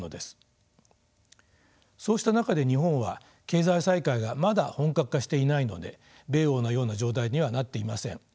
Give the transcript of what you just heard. そうした中で日本は経済再開がまだ本格化していないので米欧のような状態にはなっていません。